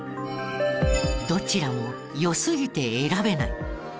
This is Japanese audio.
どちらも良すぎて選べない。